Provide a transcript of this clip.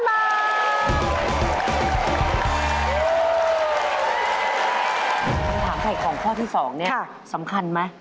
ถ้าถามใครของข้อที่๒นี่สำคัญไหม